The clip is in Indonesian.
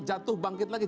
jatuh bangkit lagi